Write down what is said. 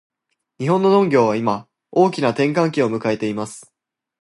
日本の農業は今、大きな転換点を迎えています。